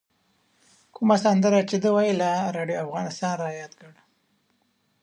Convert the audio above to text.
کومه سندره چې ده ویله راډیو افغانستان رایاد کړ.